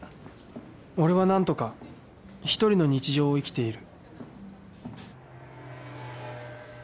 俺はなんとか一人の日常を生きている